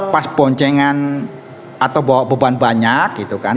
pas boncengan atau bawa beban banyak gitu kan